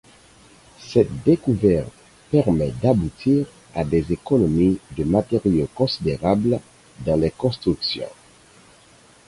Cette découverte permet d'aboutir à des économies de matériaux considérables dans les constructions.